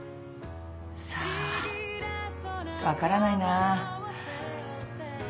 さあ分からないなぁ。